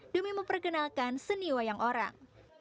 demi memperkenalkan seni wayang orang